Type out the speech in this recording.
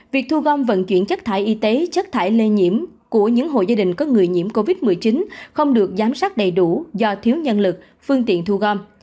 việc thu gom vận chuyển chất thải y tế chất thải lây nhiễm của những hội gia đình có người nhiễm covid một mươi chín không được giám sát đầy đủ do thiếu nhân lực phương tiện thu gom